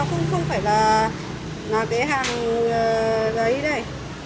nó không phải là cái hàng giấy đây